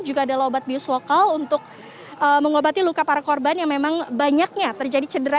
juga adalah obat bius lokal untuk mengobati luka para korban yang memang banyaknya terjadi cedera